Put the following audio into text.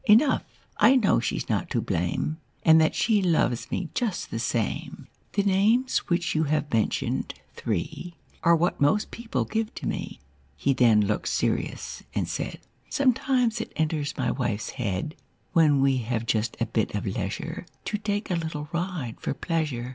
Enough, I know she's not to blame. And that she loves me just the same." Copyrighted, 1897 I HE names which you have mentioned, three, what most people give to me." then looked serious and said :— 1897. Copyrighted, Xf^OMETIMES it enters my wife's head, When we have just a bit of leisure, To take a little ride for pleasure.